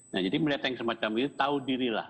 nah jadi melihat yang semacam ini tahu dirilah